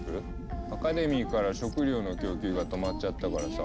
アカデミーから食料の供給が止まっちゃったからさ